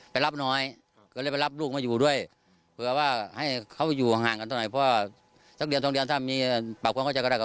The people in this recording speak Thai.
ไปรับหนอยไปรับลูกมาอยู่ด้วยเผื่อว่าให้เขาอยู่ห่างกันหน่อยเพราะว่าสักเดียวกันสกเดียวนั้นถ้ามีภาพความก้น๕๒ไป